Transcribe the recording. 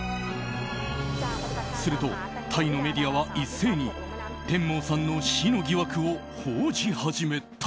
すると、タイのメディアは一斉にテンモーさんの死の疑惑を報じ始めた。